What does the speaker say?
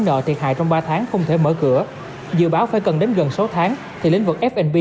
nợ thiệt hại trong ba tháng không thể mở cửa dự báo phải cần đến gần sáu tháng thì lĩnh vực f b